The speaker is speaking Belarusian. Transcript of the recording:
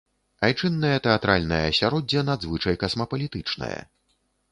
Айчыннае тэатральнае асяроддзе надзвычай касмапалітычнае.